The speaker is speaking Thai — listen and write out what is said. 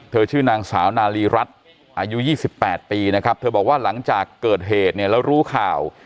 ชื่อนางสาวนาลีรัฐอายุ๒๘ปีนะครับเธอบอกว่าหลังจากเกิดเหตุเนี่ยแล้วรู้ข่าว